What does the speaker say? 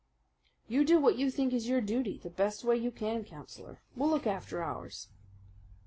"You do what you think is your duty the best way you can, Councillor. We'll look after ours."